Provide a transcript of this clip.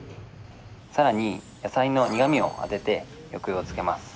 更に野菜の苦みをあてて抑揚をつけます。